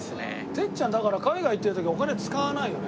てっちゃんだから海外行ってる時お金使わないよね。